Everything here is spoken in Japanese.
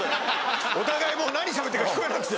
お互いもう何しゃべってるか聞こえなくて。